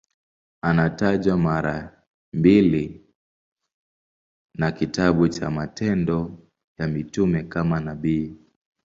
Anatajwa mara mbili na kitabu cha Matendo ya Mitume kama nabii.